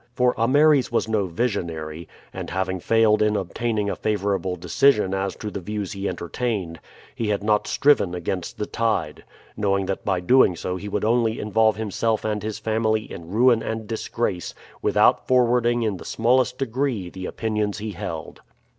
For Ameres was no visionary; and having failed in obtaining a favorable decision as to the views he entertained, he had not striven against the tide, knowing that by doing so he would only involve himself and his family in ruin and disgrace, without forwarding in the smallest degree the opinions he held.